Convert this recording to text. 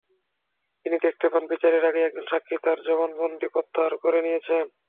তিনি দেখতে পান, বিচারের আগেই একজন সাক্ষী তাঁর জবানবন্দি প্রত্যাহার করে নিয়েছেন।